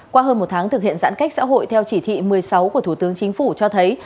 qua hơn một tháng thực hiện giãn cách xã hội theo chỉ thị một mươi sáu của thủ tướng chính phủ cho thấy